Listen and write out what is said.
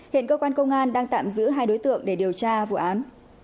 hiện cơ quan công an đang tạm giữ hai đối tượng để điều tra vụ án